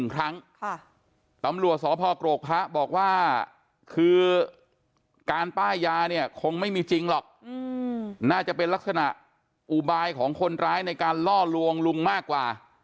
การป้ายยาเนี่ยคงไม่มีจริงหรอกน่าจะเป็นลักษณะอุบายของคนร้ายในการล่อลวงลุงมากกว่า